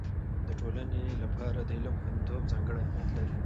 د ټولنې لپاره د علم خوندیتوب ځانګړی اهميت لري.